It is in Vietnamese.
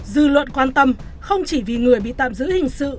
dư luận quan tâm không chỉ vì người bị tạm giữ hình sự